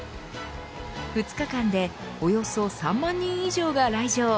２日間でおよそ３万人以上が来場。